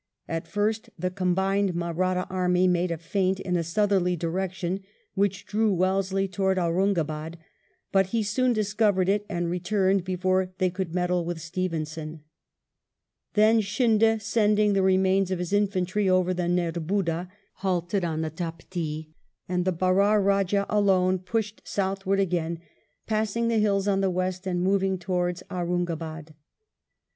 At first the combined Mahratta army made a feint in a southerly direction, which drew Wellesley towards Aurungabad, but he soon discovered it and returned before they could meddle with Stevensoa Thaa Scindia* sending the remains of his infantry over the Nerbudda, halted on the Taptee, and the Berar Eajah alone pushed southward again, passing the hills on the west and moving towards Aurungabad.